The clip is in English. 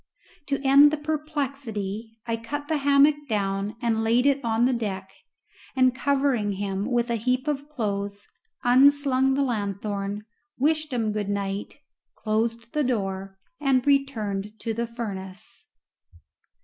To end the perplexity I cut the hammock down and laid it on the deck, and covering him with a heap of clothes, unslung the lanthorn, wished him good night, closed the door, and returned to the furnace.